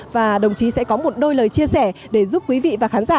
và đồng chí sẽ có một đôi lời chia sẻ để giúp quý vị và khán giả